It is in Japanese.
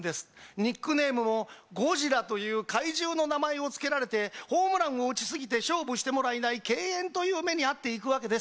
ニックネームもゴジラという怪獣の名前をつけられてホームランを打ちすぎて勝負してもらえない敬遠という目に遭っていくわけです。